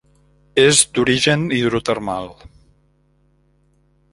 És d'origen hidrotermal.